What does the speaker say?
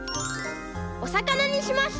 おさかなにしました！